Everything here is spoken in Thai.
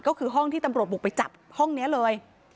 ก็คือห้องที่ตำรวจบุกไปจับห้องนี้เลย